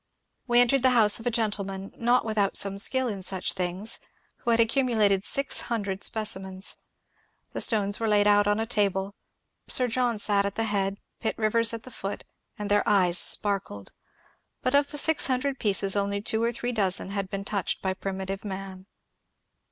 We entered the house of a gentleman not without some skill in such things, who had accumulated six hundred specimens. The stones were laid out on a table ; Sir John sat at the head, Pitt Rivers at the foot, and their eyes sparkled ; but of the six hundred pieces only two or three dozen had been touched by primitive man.